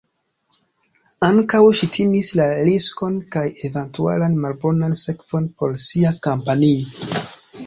Ankaŭ ŝi timis la riskon kaj eventualan malbonan sekvon por sia kompanio.